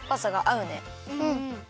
うん。